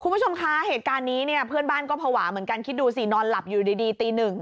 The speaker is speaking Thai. คุณผู้ชมคะเหตุการณ์นี้เนี่ยเพื่อนบ้านก็ภาวะเหมือนกันคิดดูสินอนหลับอยู่ดีตีหนึ่ง